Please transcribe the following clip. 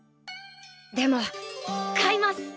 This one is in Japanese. でも買います！